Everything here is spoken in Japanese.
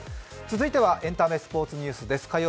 続いては、エンタメスポーツニュースです。